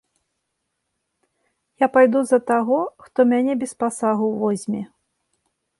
Я пайду за таго, хто мяне без пасагу возьме.